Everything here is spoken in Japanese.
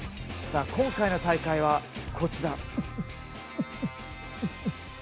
今回の大会はこちら。